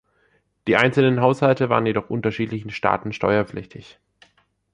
Die einzelnen Haushalte waren jedoch unterschiedlichen Staaten steuerpflichtig.